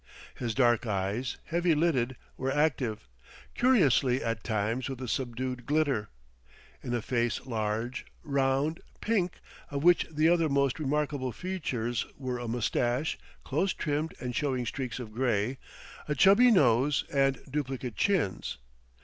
His dark eyes, heavy lidded, were active curiously, at times, with a subdued glitter in a face large, round, pink, of which the other most remarkable features were a mustache, close trimmed and showing streaks of gray, a chubby nose, and duplicate chins.